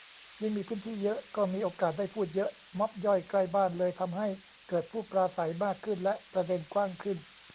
ยิ่งมีพื้นที่เยอะก็มีโอกาสได้พูดเยอะ ม็อบย่อยใกล้บ้านเลยทำให้เกิดผู้ปราศัยมากขึ้นและประเด็นกว้างขึ้น